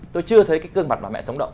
tôi chưa thấy cái gương mặt mà mẹ sống động